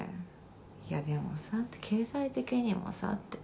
「いやでもさ経済的にもさ」って。